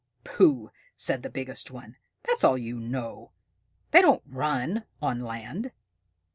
"Pooh!" said the biggest one. "That's all you know! They don't run on land."